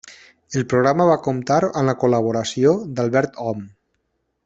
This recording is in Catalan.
El programa va comptar amb la col·laboració d'Albert Om.